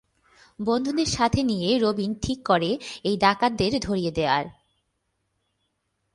বন্ধুদের সাথে নিয়ে রবিন ঠিক করে এই ডাকাতদের ধরিয়ে দেয়ার।